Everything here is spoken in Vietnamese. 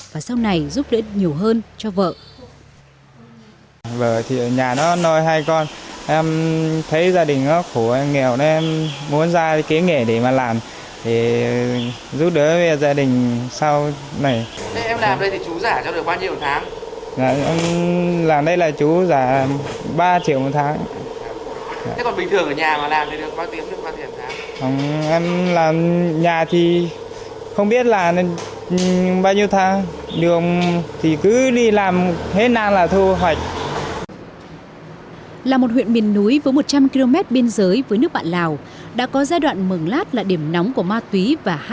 và sau này tùa quyết tâm về trung tâm huyện mường lát học sửa chữa ô tô để có cái nghề